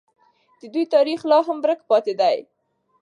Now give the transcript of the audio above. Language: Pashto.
د دوی تاریخ لا هم ورک پاتې دی.